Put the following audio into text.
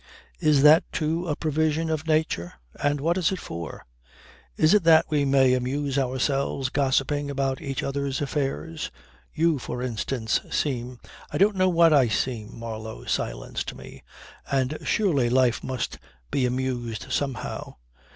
Is that too a provision of nature? And what is it for? Is it that we may amuse ourselves gossiping about each other's affairs? You for instance seem " "I don't know what I seem," Marlow silenced me, "and surely life must be amused somehow.